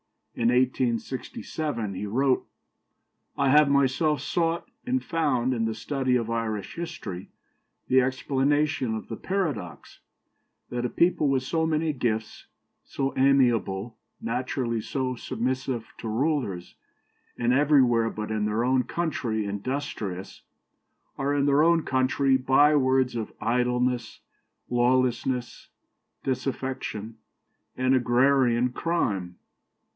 In 1867 he wrote: "I have myself sought and found in the study of Irish history the explanation of the paradox, that a people with so many gifts, so amiable, naturally so submissive to rulers, and everywhere but in their own country industrious, are in their own country bywords of idleness, lawlessness, disaffection, and agrarian crime."